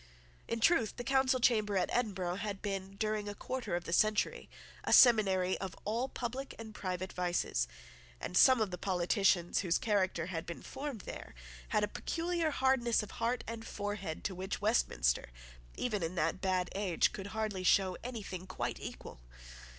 In truth the Council chamber at Edinburgh had been, during a quarter of a century, a seminary of all public and private vices; and some of the politicians whose character had been formed there had a peculiar hardness of heart and forehead to which Westminster, even in that bad age, could hardly show anything quite equal.